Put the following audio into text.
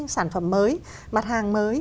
sản phẩm mới mặt hàng mới